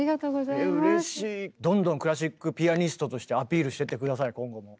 どんどんクラシックピアニストとしてアピールしてって下さい今後も。